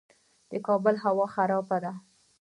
د کابل هوا خرابه ده